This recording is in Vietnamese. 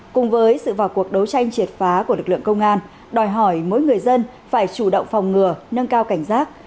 cùng với sự vào cuộc đấu tranh triệt phá của lực lượng công an đòi hỏi mỗi người dân phải chủ động phòng ngừa nâng cao cảnh giác